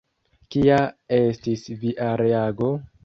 Kia estis via reago?